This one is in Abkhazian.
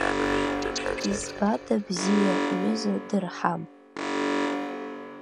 Избада бзиа, ҩыза дырҳам.